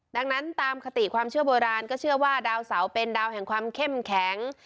ดังนั้นตามคติความเชื่อโบราณก็เชื่อว่าดาวเสาเป็นดาวแห่งความเข้มแข็ง